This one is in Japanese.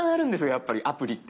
やっぱりアプリって。